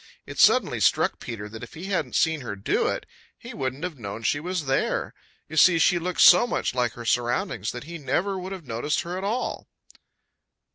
It suddenly struck Peter that if he hadn't seen her do it, he wouldn't have known she was there. You see she looked so much like her surroundings that he never would have noticed her at all.